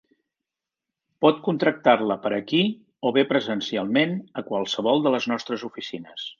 Pot contractar-la per aquí, o bé presencialment a qualsevol de les nostres oficines.